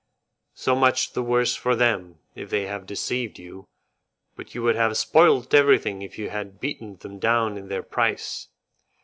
"So much the worse for them if they have deceived you, but you would have spoilt everything if you had beaten them down in their price.